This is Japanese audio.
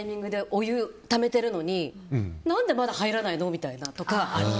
お湯をためてるのに何でまだ入らないの？みたいなのとか。